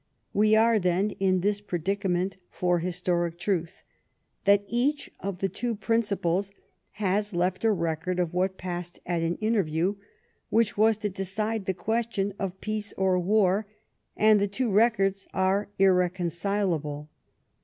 \\e are, then, in this predicament for historic truth ; that each of the two principals has left a record of what passed at an interview which was to decide the question of peace or war, and the two records are irreconcilable.